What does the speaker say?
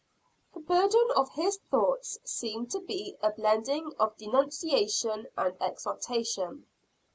The burden of his thoughts seemed to be a blending of denunciation and exultation.